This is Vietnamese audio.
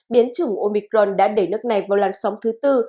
biến chủng omicron đã đẩy nước này vào làn sóng thứ tư